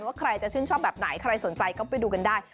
ว่าใครจะชื่นชอบแบบไหนใครสนใจก็ไปดูกันได้